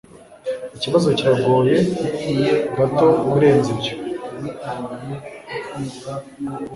Ikibazo kiragoye gato kurenza ibyo